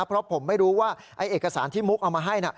เพราะผมไม่รู้ว่าไอ้เอกสารที่มุกเอามาให้